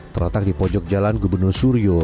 terletak di pojok jalan gubernur suryo